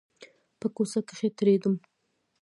په کوڅه کښې تېرېدم .